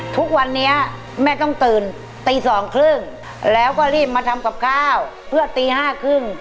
ทุกวันนี้แม่ต้องตื่นตีสองครึ่งแล้วก็รีบมาทำกับข้าวเพื่อตีห้าครึ่ง